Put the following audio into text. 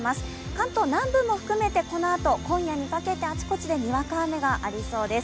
関東南部も含めて、このあと、今夜にかけてあちこちでにわか雨がありそうです。